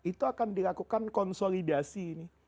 itu akan dilakukan konsolidasi